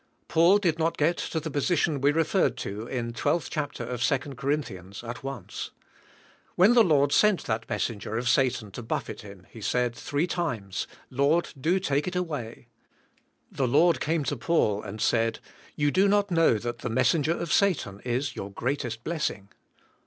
Paul did not get to the position we referred to, in 12th chapter of 2 Cor. at once. When the Lord sent that messenger of Satan to buffet him he said, three times, Lord, do take it away." The Lord came to Paul and said. You do not know that the messenger of Satan is your greatest blessing.